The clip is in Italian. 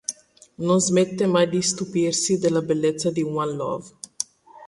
Non smette mai di stupirsi della bellezza di One Love.